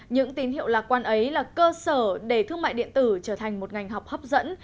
những tín hiệu lạc quan ấy là cơ sở để thương mại điện tử trở thành một ngành học hấp dẫn